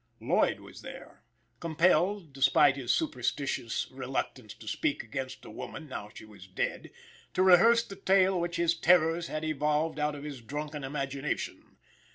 Lloyd was there, compelled, despite his superstitious reluctance to speak against a woman now she was dead, to rehearse the tale which his terrors had evolved out of his drunken imagination.